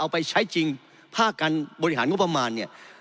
ไปใช้จริงภาคการบริหารงบประมาณเนี่ย